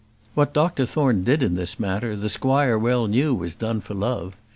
What Dr Thorne did in this matter the squire well knew was done for love.